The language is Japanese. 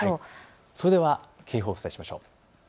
それでは警報をお伝えしましょう。